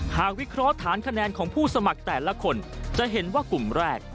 วิเคราะห์ฐานคะแนนของผู้สมัครแต่ละคนจะเห็นว่ากลุ่มแรก